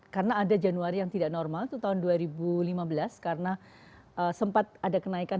karena ada januari yang tidak normal itu tahun dua ribu lima belas karena sempat ada kenaikan